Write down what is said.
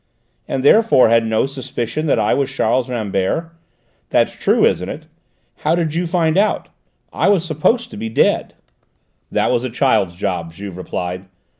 And therefore had no suspicion that I was Charles Rambert? That's true, isn't it? How did you find out? I was supposed to be dead." "That was a child's job," Juve replied.